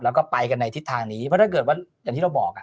แล้วก็ไปกันในทิศทางนี้เพราะถ้าเกิดว่าอย่างที่เราบอกอ่ะ